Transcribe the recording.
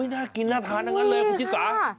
น่ากินเราทานั่งกันเลยครับคุณชิคกี้พาย